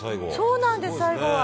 「そうなんです最後は。